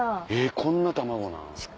こんな卵なん？